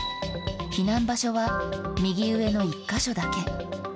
避難場所は右上の１か所だけ。